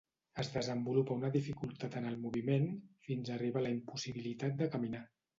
Es desenvolupa una dificultat en el moviment, fins a arribar a la impossibilitat de caminar.